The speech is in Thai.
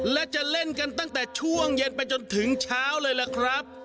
และจะเล่นกันตั้งแต่ช่วงเย็นไปจนถึงเช้าเลยล่ะครับ